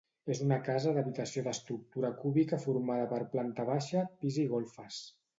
És una casa d'habitació d'estructura cúbica formada per planta baixa, pis i golfes.